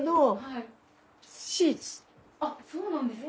あっそうなんですね。